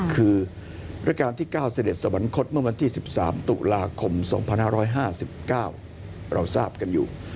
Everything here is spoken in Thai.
คือราชการที่๙เสด็จสวรรคตเมื่อวันที่๑๓ตุลาคม๒๕๕๙เราทราบกันอยู่